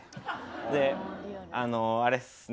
であのあれっすね